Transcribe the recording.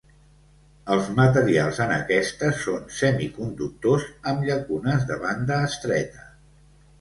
Els materials en aquests són semiconductors amb llacunes de banda estreta.